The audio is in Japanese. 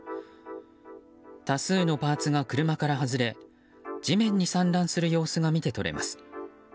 多数のパーツが車から外れ地面に散乱する様子が見て取れます。